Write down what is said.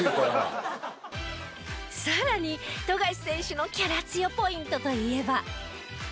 さらに富樫選手のキャラ強ポイントといえば。